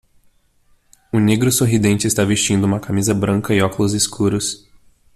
O negro sorridente está vestindo uma camisa branca e óculos escuros.